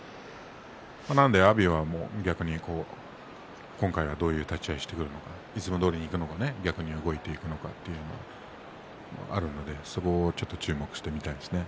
なので阿炎は今回はどういう立ち合いをしてくるのかいつもどおりでいくのか逆に動いていくのかというのがあるのでそこを注目してみたいですね。